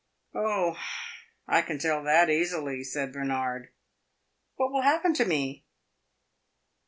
"Oh, I can tell that easily," said Bernard. "What will happen to me?"